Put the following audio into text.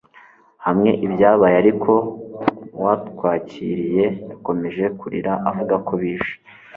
hamwe ibyabaye. ariko uwatwakiriye yakomeje kurira avuga ko bishe